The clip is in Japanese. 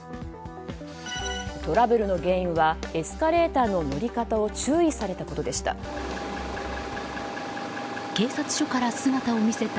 トラブルの原因はエスカレーターの乗り方を注意されたことでした。